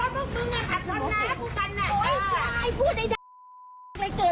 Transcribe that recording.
ไปไปเลย